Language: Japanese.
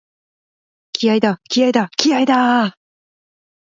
気合いだ、気合いだ、気合いだーっ！！！